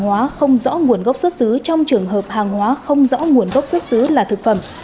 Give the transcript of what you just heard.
hóa không rõ nguồn gốc xuất xứ trong trường hợp hàng hóa không rõ nguồn gốc xuất xứ là thực phẩm